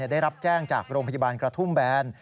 ได้รับแจ้งจากโรงพยาบาลกระทุ่มแบน